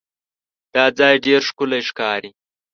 دا ځای ډېر ښکلی ښکاري.